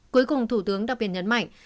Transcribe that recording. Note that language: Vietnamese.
cuối cùng thủ tướng đặc biệt nhấn mạnh